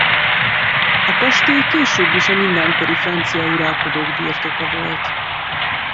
A kastély később is a mindenkori francia uralkodók birtoka volt.